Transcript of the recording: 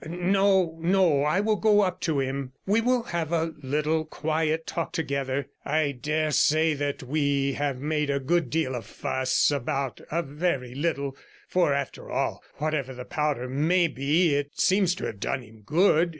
'No, no, I will go up to him; we will have a little quiet talk together. I dare say that we have made a good deal of fuss about a very little; for, after all, whatever the powder may be, it seems to have done him good.'